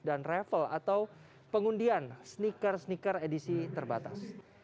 dan raffle atau pengundian sneaker sneaker edisi terbatas